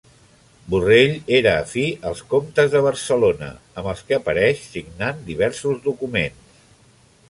Borrell era afí als comtes de Barcelona, amb els que apareix signant diversos documents.